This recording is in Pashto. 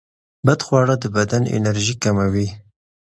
بدخواړه د بدن انرژي کموي.